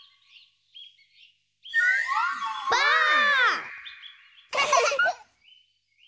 ばあっ！